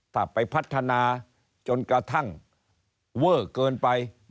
ถ้าไปพัฒนาจนกระทั่งเวอร์เกินไป